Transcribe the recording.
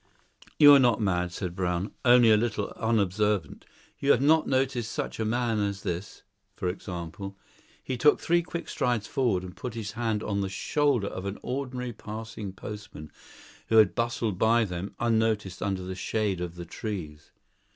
"You are not mad," said Brown, "only a little unobservant. You have not noticed such a man as this, for example." He took three quick strides forward, and put his hand on the shoulder of an ordinary passing postman who had bustled by them unnoticed under the shade of the trees.